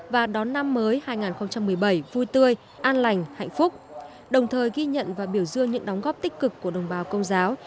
và đón năm mới hai nghìn một mươi bảy vui tươi an lành hạnh phúc đồng thời ghi nhận và biểu dương những đóng góp tích cực của đồng bào công giáo